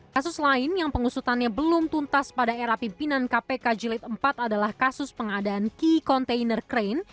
kasus lain yang pengusutannya belum tuntas pada era pimpinan kpk jilid empat adalah kasus pengadaan key container crane